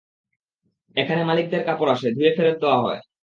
এখানে মালিকদের কাপড় আসে, ধুয়ে ফেরত দেয়া হয়।